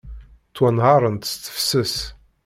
Ttwanhaṛent s tefses.